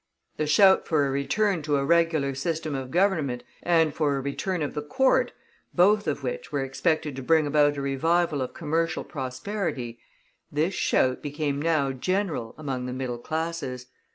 The shout for a return to a regular system of government, and for a return of the Court, both of which were expected to bring about a revival of commercial prosperity this shout became now general among the middle classes.